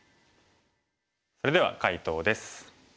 それでは解答です。